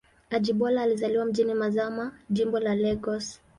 Ajibola alizaliwa mjini Mazamaza, Jimbo la Lagos.